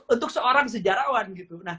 untuk seorang sejarawan